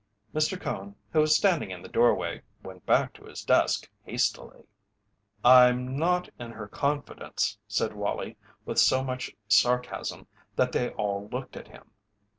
Mr. Cone, who was standing in the doorway, went back to his desk hastily. "I'm not in her confidence," said Wallie with so much sarcasm that they all looked at him.